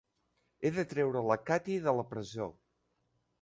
He de treure la Katie de la presó!